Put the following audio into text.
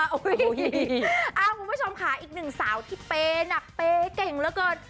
ขอบคุณผู้ชมค่ะอีกหนึ่งสาวที่เป๋นเป๋เก่งเยอะเกิน